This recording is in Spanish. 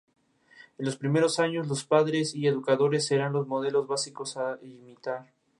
En los primeros años, los padres y educadores serán los modelos básicos a imitar.